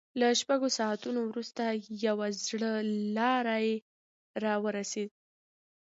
له شپږو ساعتونو وروسته يوه زړه لارۍ را ورسېده.